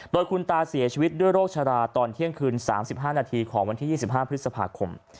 โดยคุณตาเสียชีวิตด้วยโรคชะลาตอนเที่ยงคืน๓๕นาทีของวันที่๒๕พฤษภาคม